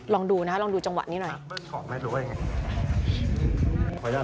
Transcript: ลองดูนะฮะลองดูจังหวะนี้หน่อย